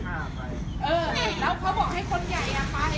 ที่เมื่อกี้แกแกพูดก่อนที่แดจะเข้าอันนี้